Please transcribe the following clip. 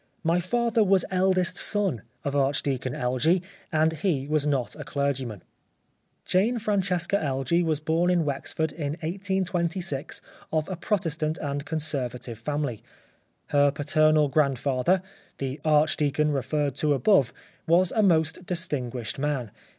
My father was eldest son of Archdeacon Elgee, and he was not a clergy man." Jane Francesca Elgee was born in Wexford in 1826 of a Protestant and Conservative family. Her paternal grandfather, the Archdeacon re ferred to above, was a most distinguished man.